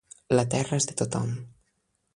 La terra és de tothom.